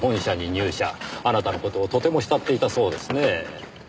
あなたの事をとても慕っていたそうですねぇ。